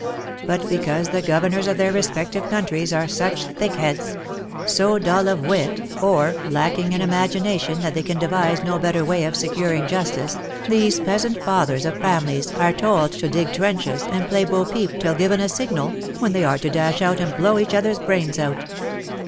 But because the governors of their respective countries are such thickheads — so dull of wit or lacking In Field Hospital near Adrianople. WAR AND WOMEN 203 imagination that they can devise no better way of securing justice, these peasant fathers of families are told to dig trenches and play bo peep till a given signal, when they are to dash out and blow each other's brains out.